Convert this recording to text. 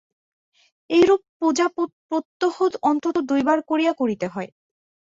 এইরূপ পূজা প্রত্যহ অন্তত দুইবার করিয়া করিতে হয়।